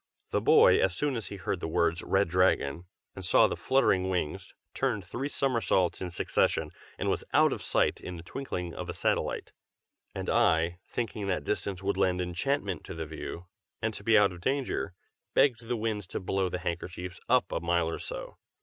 The boy, as soon as he heard the words "Red Dragon," and saw the fluttering wings, turned three somersaults in succession, and was out of sight in the twinkling of a satellite; and I, thinking that distance would lend enchantment to the view, and to be out of danger, begged the Winds to blow the handkerchiefs up a mile or so.